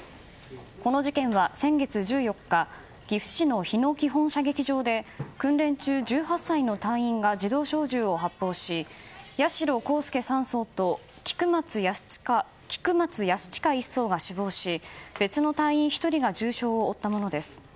この事件は先月１４日岐阜市の日の基本射撃場で訓練中、１８歳の隊員が自動小銃を発砲し、２人の隊員が死亡し別の隊員１人が重傷を負ったものです。